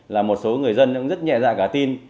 là một số người dân cũng rất nhẹ dạ cả tin